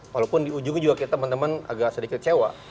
walaupun di ujungnya juga kita teman teman agak sedikit kecewa